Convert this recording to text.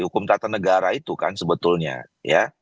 hukum tata negara itu kan sebetulnya ya